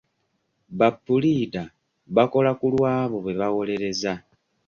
Ba puliida bakola ku lwabo be bawolereza.